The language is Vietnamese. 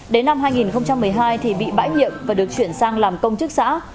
đến năm hai nghìn một mươi hai thì bị bãi nhiệm và được chuyển sang làm công chức xã